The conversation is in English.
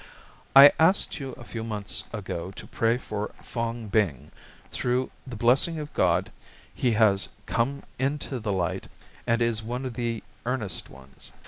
"I asked you a few months ago to pray for Fong Bing. Through the blessing of God, he has come into the light, and is one of the earnest ones.